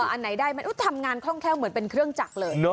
อันไหนได้มันทำงานคล่องแค่งเหมือนเป็นเครื่องจักรเลย